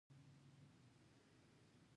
ستا غږ مې واورېد، غلی شوم